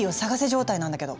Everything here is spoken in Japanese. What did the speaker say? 状態なんだけど。